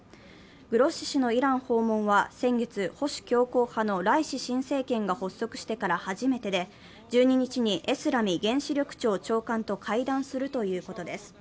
グロッシ氏のイラン訪問は先月、保守強硬派のライシ新政権が発足してから初めてで１２日にエスラミ原子力庁長官と会談するということです。